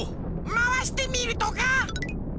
まわしてみるとか？